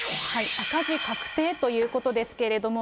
赤字確定ということですけれども、